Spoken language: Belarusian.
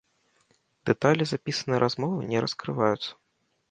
Дэталі запісанай размовы не раскрываюцца.